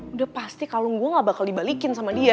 udah pasti kalung gue gak bakal dibalikin sama dia